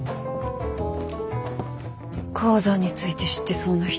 鉱山について知ってそうな人。